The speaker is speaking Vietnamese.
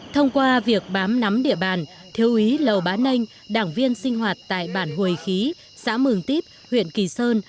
thông qua việc bám nắm địa bàn thiếu úy lầu bá anh đảng viên sinh hoạt tại bản hồi khí xã mường tiếp huyện kỳ sơn